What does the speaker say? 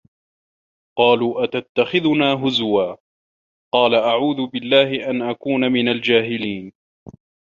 قَالُوا أَتَتَّخِذُنَا هُزُوًا ۖ قَالَ أَعُوذُ بِاللَّهِ أَنْ أَكُونَ مِنَ الْجَاهِلِينَ